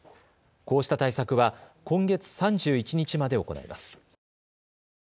こうした対策は今月３１日まで行います。